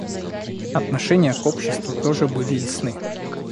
Отношения к обществу тоже были ясны.